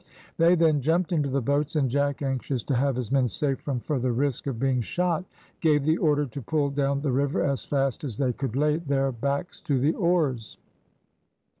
They then jumped into the boats, and Jack, anxious to have his men safe from further risk of being shot, gave the order to pull down the river as fast as they could lay their backs to the oars.